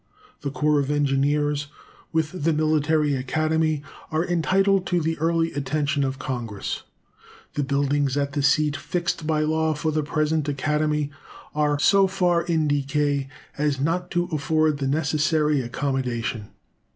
The Corps of Engineers, with the Military Academy, are entitled to the early attention of Congress. The buildings at the seat fixed by law for the present Academy are so far in decay as not to afford the necessary accommodation.